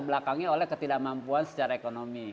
belakangnya oleh ketidakmampuan secara ekonomi